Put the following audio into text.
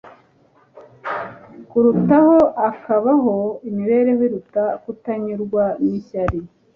kurutaho akabaho imibereho iruta kutanyurwa n’ishyari.